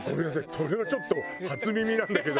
それはちょっと初耳なんだけど。